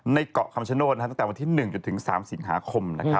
เกาะคำชโนธตั้งแต่วันที่๑จนถึง๓สิงหาคม